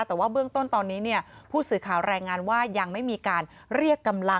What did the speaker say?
แต่ว่าเบื้องต้นตอนนี้ผู้สื่อข่าวรายงานว่ายังไม่มีการเรียกกำลัง